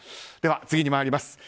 では次に参ります。